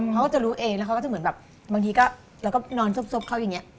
เขาก็จะรู้เองแล้วเขาก็จะเหมือนแบบบางทีก็เราก็นอนซบเขาอย่างนี้